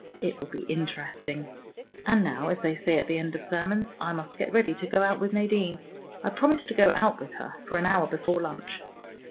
It will be interesting! And now, as they say at the end of sermons, I must get ready to go out with Nadine. I promised to go out with her for an hour before lunch.